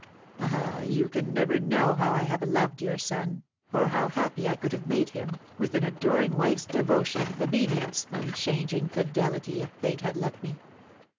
Ah, you can never know how I have loved your son, or how happy I could have made him, with an ador ing wife's devotion, obedience, unchanging fidelity, if fate had let me.